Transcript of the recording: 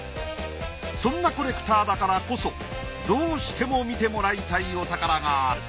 そんなコレクターだからこそどうしても見てもらいたいお宝がある。